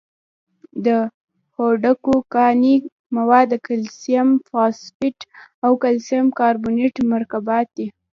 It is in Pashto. د هډوکو کاني مواد د کلسیم فاسفیټ او کلسیم کاربونیت مرکبات دي.